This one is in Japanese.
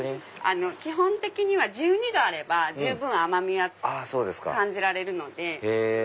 基本的には１２度あれば十分甘みは感じられるので。